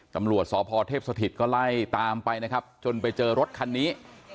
ตำรวจสพเทพสถิตก็ไล่ตามไปนะครับจนไปเจอรถคันนี้